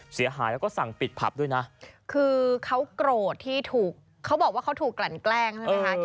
เสียหายแล้วก็สั่งปิดผับด้วยนะคือเขาโกรธที่ถูกเขาบอกว่าเขาถูกกลั่นแกล้งใช่ไหมคะ